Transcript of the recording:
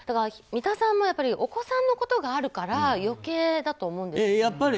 三田さんもお子さんのことがあるから余計だと思うんですよ。